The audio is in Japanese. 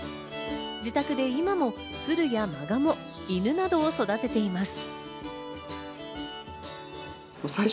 自宅で今もツルやマガモ、イヌなどを育てています。